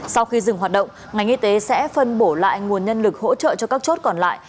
sau khi dừng hoạt động ngành y tế sẽ phân bổ lại nguồn nhân lực hỗ trợ cho các chốt còn lại